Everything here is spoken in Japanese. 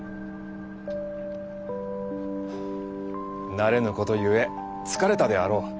慣れぬことゆえ疲れたであろう。